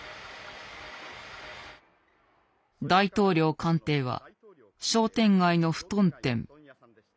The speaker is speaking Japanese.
大統領官邸は商店街の布団店。